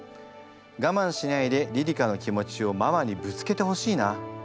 がまんしないでりり花の気持ちをママにぶつけてほしいな。